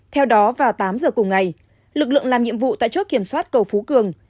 theo đó vào tám giờ cùng ngày lực lượng làm nhiệm vụ tại chốt kiểm soát cầu phú cường